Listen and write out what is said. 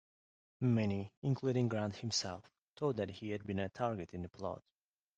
Many, including Grant himself, thought that he had been a target in the plot.